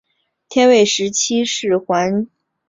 天卫十七是环绕天王星运行的一颗卫星。